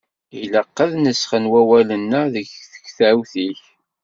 Ilaq ad nesxen wawalen-a deg tektawt-ik.